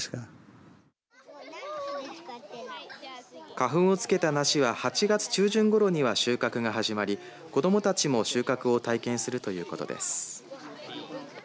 花粉をつけた梨は８月中旬ごろには収穫が始まり子どもたちも収穫を体験するということです。